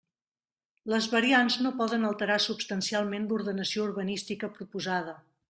Les variants no poden alterar substancialment l'ordenació urbanística proposada.